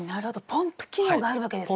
ポンプ機能があるわけですね！